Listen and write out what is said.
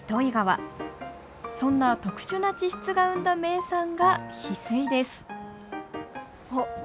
そんな特殊な地質が生んだ名産がヒスイですあっ